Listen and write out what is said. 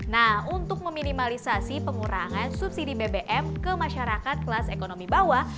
nah untuk meminimalisasi pengurangan subsidi bbm ke masyarakat kelas ekonomi bawah